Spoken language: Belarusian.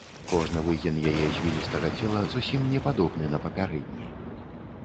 Кожны выгін яе звілістага цела зусім не падобны на папярэдні.